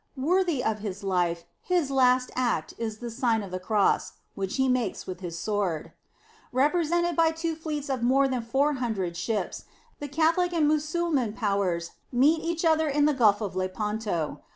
Worthy of his life, his last act is the Sign of the Cross, which he makes with his sword. Represented by two fleets of more than four hundred ships, the Catholic and Mussulman powers meet each other in the Gulf of Lepanto.